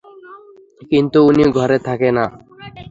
কিন্তু উনি ঘরে থাকে না।